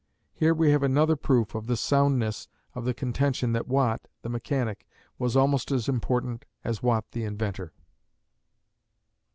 Here we have another proof of the soundness of the contention that Watt, the mechanic, was almost as important as Watt the inventor.